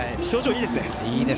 いいですね。